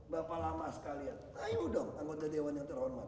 bapak lama sekalian ayo dong anggota dewan yang terhormat